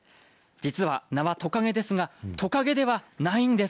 実は、名はとかげですがとかげではないんです。